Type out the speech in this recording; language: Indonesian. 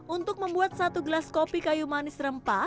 untuk membuat satu gelas kopi kayu manis rempah